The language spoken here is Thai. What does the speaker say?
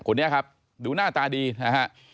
คนนี้ครับดูหน้าตาดีนะฮะ